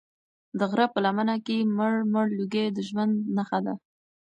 د غره په لمنه کې مړ مړ لوګی د ژوند نښه وه.